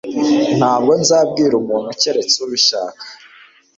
Ntabwo nzabwira umuntu keretse ubishaka.